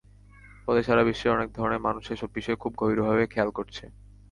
ফলে সারা বিশ্বের অনেক ধরনের মানুষ এসব বিষয়ে খুব গভীরভাবে খেয়াল করছে।